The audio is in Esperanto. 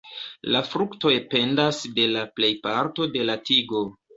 La fruktoj pendas de la plejparto de la tigo.